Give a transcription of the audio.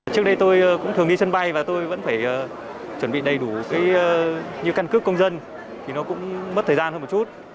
trước đây tôi cũng thường đi sân bay và tôi vẫn phải chuẩn bị đầy đủ như căn cước công dân thì nó cũng mất thời gian hơn một chút